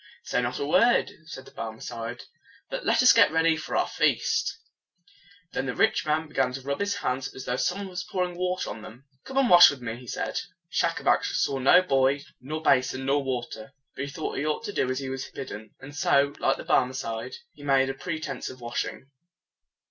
"Say not a word," said the Barmecide, "but let us get ready for the feast." Then the rich man began to rub his hands as though some one was pouring water on them. "Come and wash with me," he said. Schacabac saw no boy, nor basin, nor water. But he thought that he ought to do as he was bidden; and so, like the Barmecide, he made a pretense of washing.